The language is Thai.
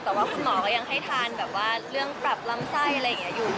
แต่ว่าคุณหมอก็ยังให้ทานเรื่องปรับรังไส้อยู่